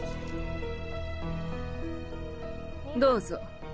どうぞ。